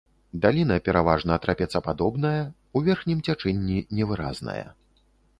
Даліна пераважна трапецападобная, у верхнім цячэнні невыразная.